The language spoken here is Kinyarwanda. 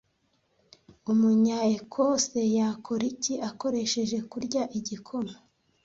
Umunya-Ecosse yakora iki akoresheje Kurya igikoma